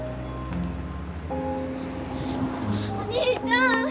お兄ちゃん！